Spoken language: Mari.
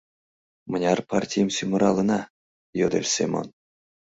— Мыняр партийым сӱмыралына? — йодеш Семон.